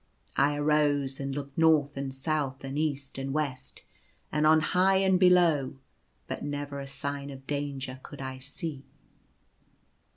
I arose and looked north and south and east and west, and on high and below, but never a sign of danger could I see.